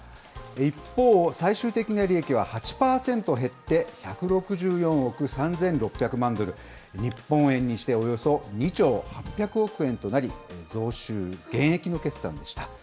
一方、最終的な利益は８％減って、１６４億３６００万ドル、日本円にしておよそ２兆８００億円となり、増収減益の決算でした。